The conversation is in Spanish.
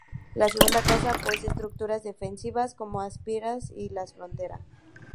La segunda casa posee estructuras defensivas, como aspilleras en la frontera.